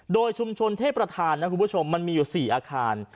โดยชุมชนเทพประธานนะคุณผู้ชมมันมีอยู่๔อาคาร